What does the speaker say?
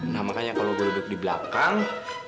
nah makanya kalau gue duduk di belakang